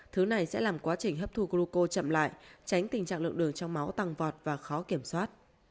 thứ này sẽ làm quá trình hấp thu gluco chậm lại tránh tình trạng lượng đường trong máu tăng vọt và khó kiểm soát